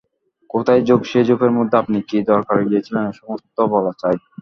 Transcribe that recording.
কোথায় ঝোপ, সেই ঝোপের মধ্যে আপনি কী দরকারে গিয়েছিলেন, সমস্ত বলা চাই।